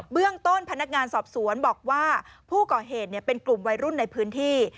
เรื่องต้นพนักงานสอบสวนบอกว่าผู้ก่อเหตุเป็นกลุ่มวัยรุ่นในพื้นที่